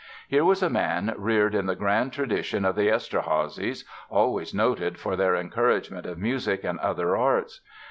Here was a man reared in the grand tradition of the Eszterházys, always noted for their encouragement of music and other arts.